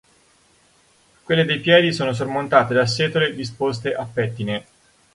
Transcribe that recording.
Quelle dei piedi sono sormontate da setole disposte a pettine.